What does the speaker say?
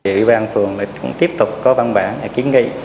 ủy ban phường cũng tiếp tục có văn bản để kiến nghị